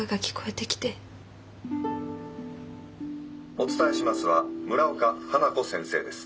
「お伝えしますは村岡花子先生です」。